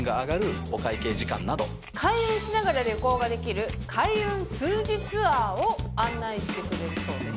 開運しながら旅行ができる開運数字ツアーを案内してくれるそうです。